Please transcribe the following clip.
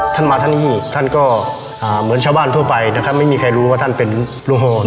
ท่านมาที่นี่ท่านก็เหมือนชาวบ้านทั่วไปนะครับไม่มีใครรู้ว่าท่านเป็นลูกโฮ